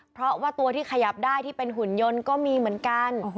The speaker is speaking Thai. เพราะว่าตัวที่ขยับได้ที่เป็นหุ่นยนต์ก็มีเหมือนกัน